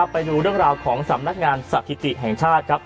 ไปดูเรื่องราวของสำนักงานสถิติแห่งชาติครับ